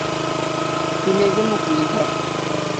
তিনি একজন মুক্তিযোদ্ধা।